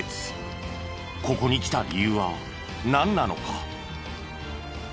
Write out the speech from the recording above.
ここに来た理由はなんなのか？